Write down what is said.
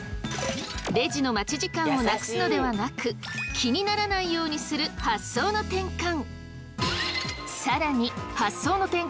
レジの待ち時間をなくすのではなく気にならないようにする発想の転換。